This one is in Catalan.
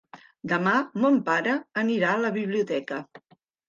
Demà mon pare anirà a la biblioteca.